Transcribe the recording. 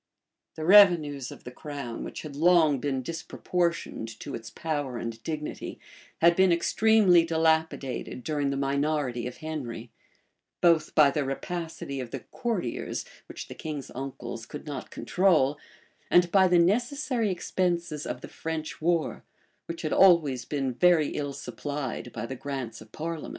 The revenues of the crown, which had long been disproportioned to its power and dignity, had been extremely dilapidated during the minority of Henry;[*] both by the rapacity of the courtiers, which the king's uncles could not control, and by the necessary expenses of the French war, which had always been very ill supplied by the grants of parliament.